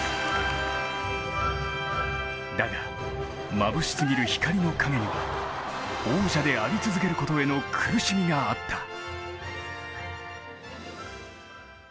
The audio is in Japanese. だが、まぶしすぎる光の陰には王者であり続けることへの苦しみがあった。